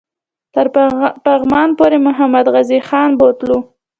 تر پغمان پوري محمدعزیز خان بوتلو.